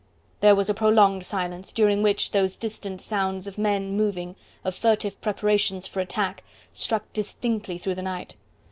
There was a prolonged silence, during which those distant sounds of men moving, of furtive preparations for attack, struck distinctly through the night.